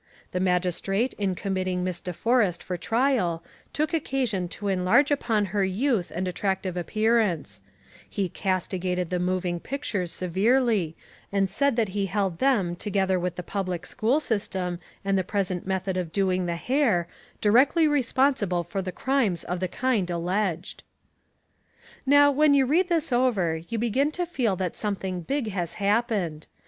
The magistrate in committing Miss De Forrest for trial took occasion to enlarge upon her youth and attractive appearance: he castigated the moving pictures severely and said that he held them together with the public school system and the present method of doing the hair, directly responsible for the crimes of the kind alleged." Now when you read this over you begin to feel that something big has happened.